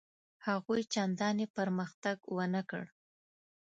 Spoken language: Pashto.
هغوی چنداني پرمختګ ونه کړ.